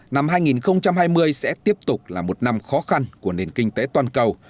năm hai nghìn hai mươi sẽ tiếp tục là một năm khó khăn của nền kinh tế toàn cầu